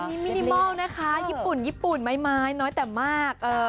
นี่อันนี้นิมอลนะคะญี่ปุ่นมั้ยน้อยแต่มาก